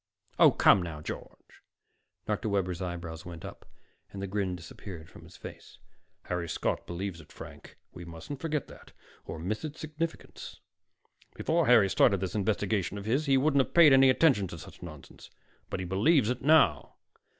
"Oh, come now, George." Dr. Webber's eyebrows went up and the grin disappeared from his face. "Harry Scott believes it, Frank. We mustn't forget that, or miss its significance. Before Harry started this investigation of his, he wouldn't have paid any attention to such nonsense. But he believes it now."